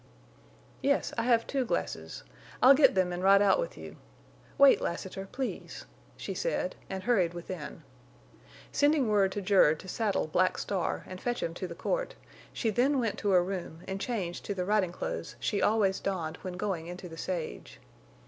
"Yes, I have two glasses. I'll get them and ride out with you. Wait, Lassiter, please," she said, and hurried within. Sending word to Jerd to saddle Black Star and fetch him to the court, she then went to her room and changed to the riding clothes she always donned when going into the sage.